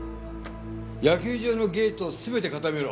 野球場のゲートを全て固めろ。